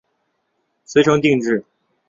遂成定制。